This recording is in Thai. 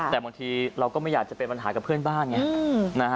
แต่บางทีเราก็ไม่อยากจะเป็นปัญหากับเพื่อนบ้านไง